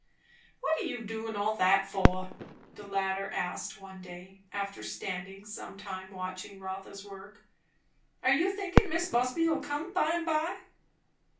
"What are you doin' all that for?" the latter asked one day, after standing some time watching Rotha's work. "Are you thinkin' Mis' Busby'll come by and by?"